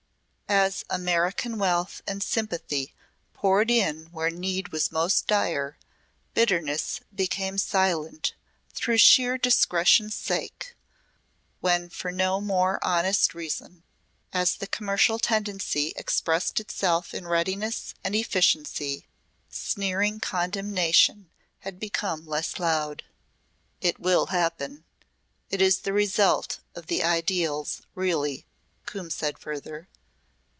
As American wealth and sympathy poured in where need was most dire, bitterness became silent through sheer discretion's sake, when for no more honest reason. As the commercial tendency expressed itself in readiness and efficiency, sneering condemnation had become less loud. "It will happen. It is the result of the ideals really," Coombe said further.